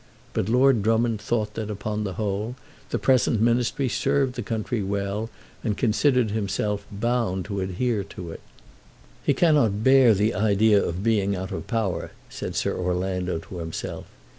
But Lord Drummond thought that, upon the whole, the present Ministry served the country well, and considered himself bound to adhere to it. "He cannot bear the idea of being out of power," said Sir Orlando to himself.